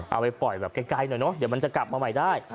เอาไปปล่อยแบบไกลหน่อยเนอะเดี๋ยวมันจะกลับมาใหม่ได้